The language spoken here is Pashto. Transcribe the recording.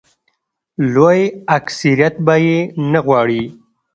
لوی اکثریت به یې نه غواړي.